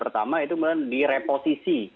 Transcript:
pertama itu di reposisi